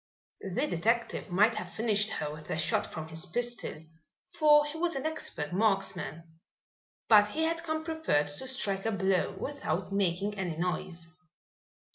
The detective might have finished her with a shot from his pistol, for he was an expert marksman. But he had come prepared to strike a blow without making any noise.